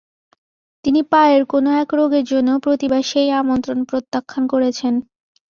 তিনি পায়ের কোন এক রোগের জন্য প্রতিবার সেই আমন্ত্রণ প্রত্যাখ্যান করেছেন।